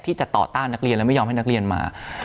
ที่จะต่อต้านนักเรียนและไม่ยอมให้นักเรียนมา